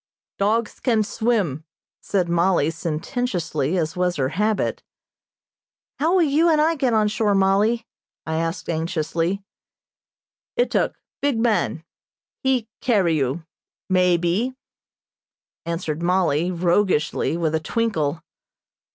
"Dogs can swim," said Mollie, sententiously, as was her habit. "How will you and I get on shore, Mollie?" I asked anxiously. "Ituk, big man, he carry you, may be," answered Mollie, roguishly, with a twinkle.